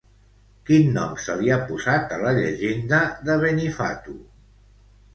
Quin nom se li ha posat a la llegenda de Benifato?